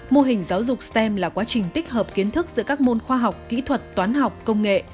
mô hình giáo dục stem là quá trình tích hợp kiến thức giữa các môn khoa học kỹ thuật toán học công nghệ